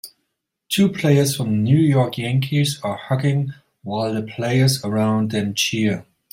Two players from the New York Yankees are hugging while the players around them cheer.